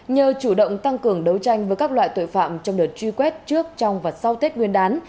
nhờ chủ động tăng cường đấu tranh với các loại tội phạm trong đợt truy quét trước trong và sau tết nguyên đán